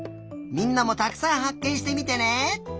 みんなもたくさんはっけんしてみてね！